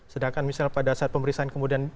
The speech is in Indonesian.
sedangkan misal pada saat pemeriksaan kemudian